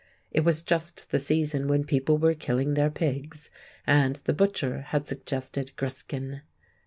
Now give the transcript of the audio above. It was just the season when people were killing their pigs, and the butcher had suggested griskin.